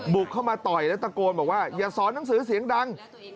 บุกเข้ามาต่อยแล้วตะโกนบอกว่าอย่าสอนหนังสือเสียงดัง